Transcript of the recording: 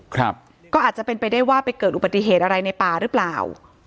ครับก็อาจจะเป็นไปได้ว่าไปเกิดอุบัติเหตุอะไรในป่าหรือเปล่า